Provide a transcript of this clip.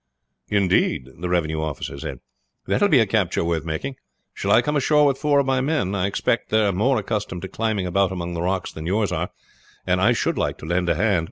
"Indeed!" the revenue officer said; "that will be a capture worth making. Shall I come ashore with four of my men? I expect they are more accustomed to climbing about among the rocks than yours are, and I should like to lend a hand."